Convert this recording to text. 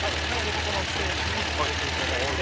◆ここのスペースに入れていただいて。